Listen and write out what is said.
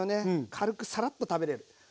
軽くさらっと食べれる。